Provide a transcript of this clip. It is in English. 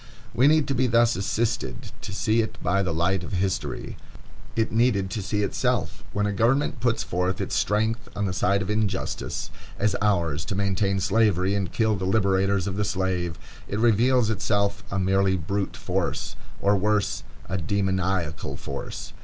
We needed to be thus assisted to see it by the light of history. It needed to see itself. When a government puts forth its strength on the side of injustice, as ours to maintain Slavery and kill the liberators of the slave, it reveals itself a merely brute force, or worse, a demoniacal force.